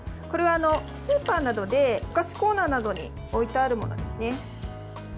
これはスーパーなどでお菓子コーナーなどに置いてあるものですね。